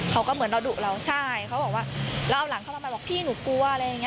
เขาก็เหมือนเราดุเราใช่เขาบอกว่าเราเอาหลังเข้ามาบอกพี่หนูกลัวอะไรอย่างนี้